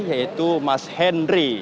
yaitu mas henry